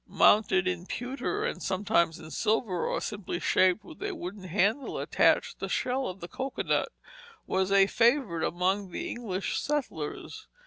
Mounted in pewter, and sometimes in silver, or simply shaped with a wooden handle attached, the shell of the cocoanut was a favorite among the English settlers.